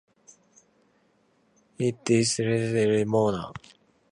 It lies within the historic barony of Mourne.